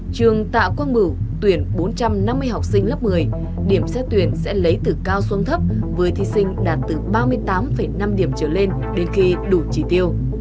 trường tạ quang bửu tuyển bốn trăm năm mươi học sinh lớp một mươi điểm xét tuyển sẽ lấy từ cao xuống thấp với thí sinh đạt từ ba mươi tám năm điểm trở lên đến khi đủ trì tiêu